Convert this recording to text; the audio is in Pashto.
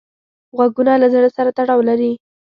غوږونه له زړه سره تړاو لري